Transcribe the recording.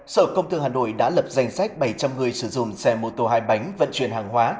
sở công thương hà nội đã lập danh sách bảy trăm linh người sử dụng xe mô tô hai bánh vận chuyển hàng hóa